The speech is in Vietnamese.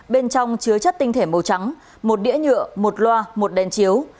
bên trong chứa chất tinh thể màu trắng một đĩa nhựa một loa một đèn chiếu